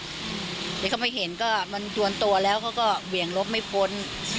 แต่เขาไม่เห็นก็มันชวนตัวแล้วเขาก็เบี่ยงรถไม่พ้น